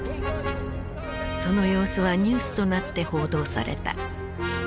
その様子はニュースとなって報道された。